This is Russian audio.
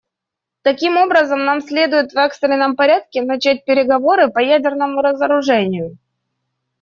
Таким образом, нам следует в экстренном порядке начать переговоры по ядерному разоружению.